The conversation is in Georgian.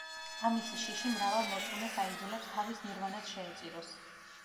ამისი შიში მრავალ მორწმუნეს აიძულებს, თავის ნირვანას შეეწიროს.